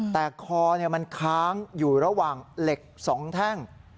แต่คอมันค้างอยู่ระหว่างเหล็ก๒แท่ง